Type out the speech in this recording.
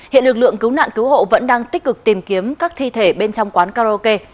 hiện lực lượng cứu nạn cứu hộ vẫn đang tích cực tìm kiếm các thi thể bên trong quán karaoke